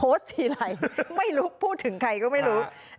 โพสต์ทีไหลไม่รู้พูดถึงใครก็ไม่รู้